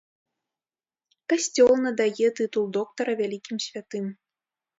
Касцёл надае тытул доктара вялікім святым.